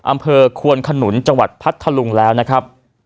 อำเภอควนขนุนจังหวัดพัทธลุงแล้วนะครับ